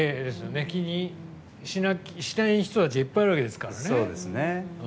気にしない人たちはいっぱいいるわけですからね。